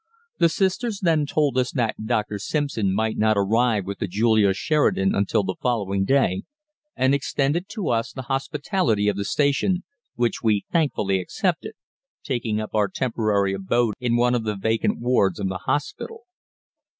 The sisters then told us that Dr. Simpson might not arrive with the Julia Sheridan until the following day, and extended to us the hospitality of the station, which we thankfully accepted, taking up our temporary abode in one of the vacant wards of the hospital.